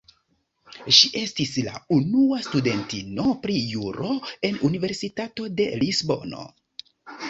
Ŝi estis la unua studentino pri Juro en Universitato de Lisbono.